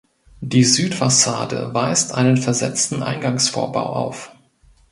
Die Südfassade weist einen versetzten Eingangsvorbau auf.